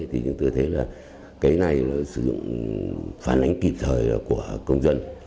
thì chúng tôi thấy là cái này nó sử dụng phản ánh kịp thời của công dân